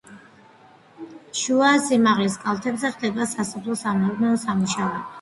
შუა სიმაღლის კალთებზე ხდება სასოფლო-სამეურნეო სამუშაოები.